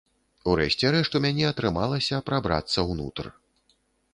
У рэшце рэшт, у мяне атрымалася прабрацца ўнутр.